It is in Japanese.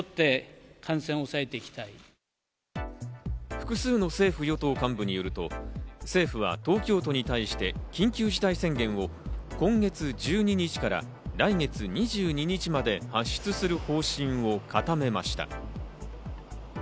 複数の政府・与党幹部によると、政府は東京都に対して緊急事態宣言を今月１２日から来月２２日まで発出する方針を固めました。